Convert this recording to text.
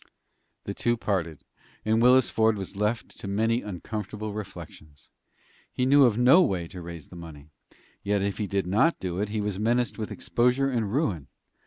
The two parted, and Willis Ford was left to many uncomfortable reflections. He knew of no way to raise the money; yet, if he did not do it, he was menaced with exposure and ruin.